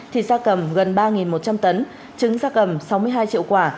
thịt xác ẩm gần ba một trăm linh tấn trứng xác ẩm sáu mươi hai triệu quả